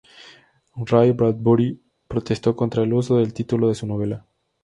Ray Bradbury protestó contra el uso del título de su novela.